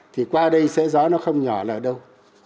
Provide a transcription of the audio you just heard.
thì qua đây sẽ gió nó không nhỏ là đâu